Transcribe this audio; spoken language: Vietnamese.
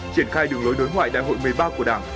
triển khai đường lối đối ngoại đại hội một mươi ba của đảng